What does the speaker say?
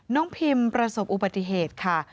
น้องพิมพ์ประสบอุบัติเหตุค่ะ